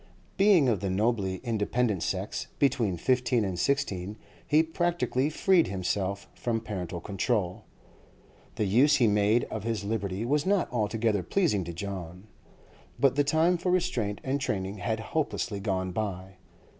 Being of the nobly independent sex, between fifteen and sixteen he practically freed himself from parental control. The use he made of his liberty was not altogether pleasing to John, but the time for restraint and training had hopelessly gone by.